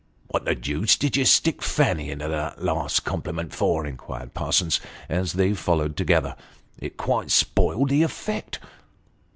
" What the deuce did you stick Fanny into that last compliment for ?" inquired Parsons, as they followed together ;" it quite spoilt the effect."